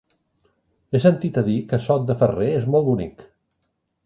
He sentit a dir que Sot de Ferrer és molt bonic.